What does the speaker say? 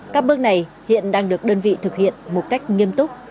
các bước này hiện đang được đơn vị thực hiện một cách nghiêm túc